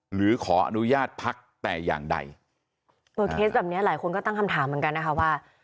หรือขออนุญาตพักแต่อย่างใดเออเคสแบบเนี้ยหลายคนก็ตั้งคำถามเหมือนกันนะคะว่า